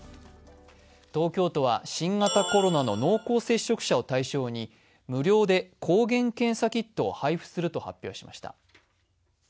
東京都は新型コロナの濃厚接触者を対象に無料で抗原検査キットを配布すると発表しました。